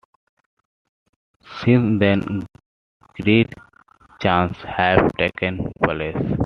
Since then great changes have taken place.